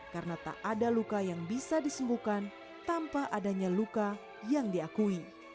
karena tak ada luka yang bisa disembuhkan tanpa adanya luka yang diakui